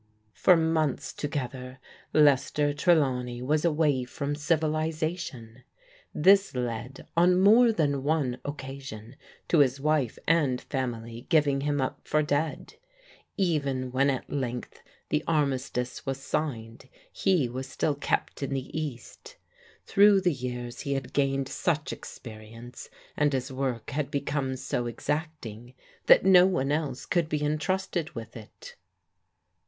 For months together, Lester Trelawney was away from civilization. This led, on more than one occasion, to his wife and family giving him up for dead. Even when at the Armistice was signed, he was still kept in the THE COLONEL RETURNS 9 East Through the years he had gained such experi ence, and his work had become so exacting, that no one else could be entrusted with it.